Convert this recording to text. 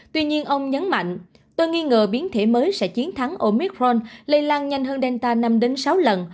tuy nhiên ông nhấn mạnh tôi nghi ngờ biến thể mới sẽ chiến thắng omicron lây lan nhanh hơn delta năm sáu lần